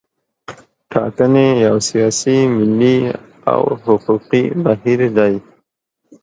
ټاکنې یو سیاسي، ملي او حقوقي بهیر دی.